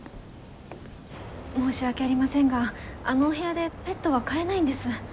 申し訳ありませんがあのお部屋でペットは飼えないんです。